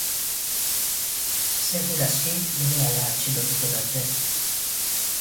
Seguru aski berehala atxilotuko naute.